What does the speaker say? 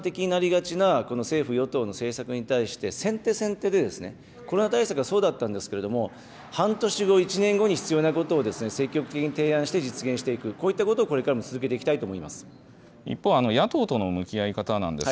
どうしても単視眼的になりがちな、この政府・与党の政策に対して、先手先手で、コロナ対策がそうだったんですけれども、半年後、１年後に必要なことを、積極的に提案して実現していく、こういったことをこれからも続けていきたいと思います。